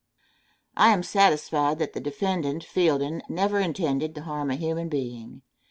I am satisfied that the defendant Fielden never intended to harm a human being.